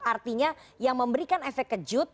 artinya yang memberikan efek kejut